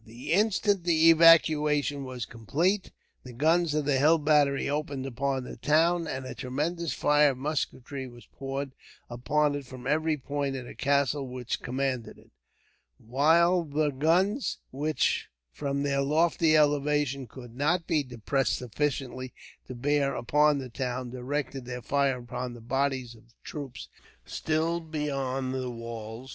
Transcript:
The instant the evacuation was complete, the guns of the hill battery opened upon the town; and a tremendous fire of musketry was poured upon it from every point of the castle which commanded it; while the guns, which from their lofty elevation, could not be depressed sufficiently to bear upon the town, directed their fire upon the bodies of troops still beyond the walls.